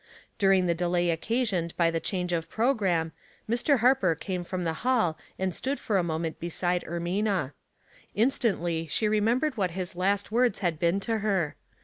During the delay occasioned by the change of programme, Mr. Harper came from the hall and stood for a moment beside Er mina. Instantly she remembered what his last words had been to her.